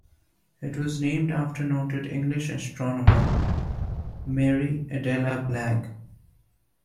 It was named after noted English astronomer Mary Adela Blagg.